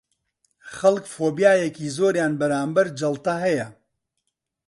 خەڵک فۆبیایەکی زۆریان بەرامبەر جەڵتە هەیە